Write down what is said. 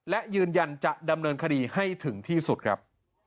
และยืนยันจะดำเนินคดีให้ถึงที่สุดครับ